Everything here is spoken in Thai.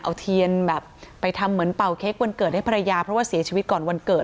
เอาเทียนแบบไปทำเหมือนเป่าเค้กวันเกิดให้ภรรยาเพราะว่าเสียชีวิตก่อนวันเกิด